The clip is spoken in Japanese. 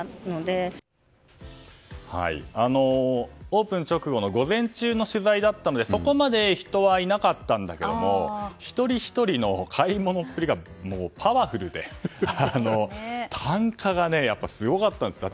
オープン直後の午前中の取材だったのでそこまで人はいなかったんだけれども一人ひとりの買い物っぷりがパワフルで単価がすごかったんですよ。